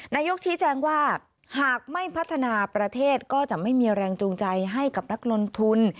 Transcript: นายกชี้แจงว่าหากไม่พัฒนาประเทศก็จะไม่มีแรงจูงใจให้กับนักลงทุน